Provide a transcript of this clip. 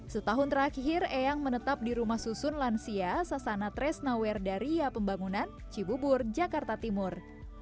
setahun terakhir eyang menetap di rumah susun lansia sasana tresnawer daria pembangunan cibubur jakarta timur